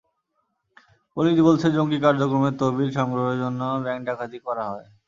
Police বলছে, জঙ্গি কার্যক্রমের তহবিল সংগ্রহের জন্য ব্যাংক ডাকাতি করা হয়।